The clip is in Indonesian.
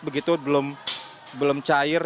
begitu belum cair